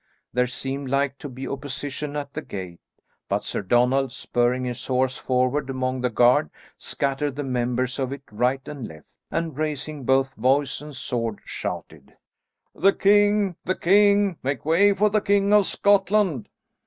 There seemed like to be opposition at the gate, but Sir Donald, spurring his horse forward among the guard, scattered the members of it right and left, and, raising both voice and sword, shouted, "The king! The king! Make way for the King of Scotland!"